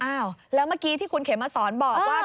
อ้าวแล้วเมื่อกี้ที่คุณเขียนมาสอนบอกว่า